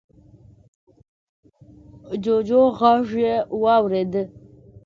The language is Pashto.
جوجو غږ يې واورېد.